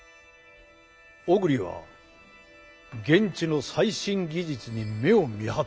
小栗は現地の最新技術に目をみはった。